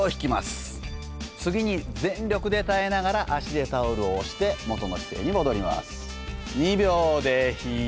次に全力で耐えながら足でタオルを押して元の姿勢に戻ります。